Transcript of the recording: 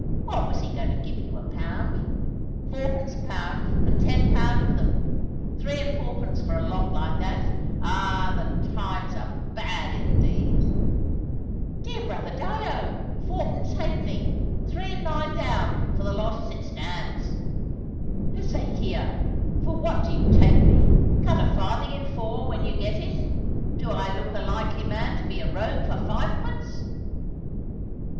What was he going to give you a pound?" "Fourpence a pound, and ten pound of them. Three and fourpence for a lot like that! Ah, the times are bad indeed!" "Dear brother Dyo, fourpence halfpenny! Three and nine down, for the lot as it stands." "Hezekiah, for what do you take me? Cut a farthing in four, when you get it. Do I look a likely man to be a rogue for fivepence?"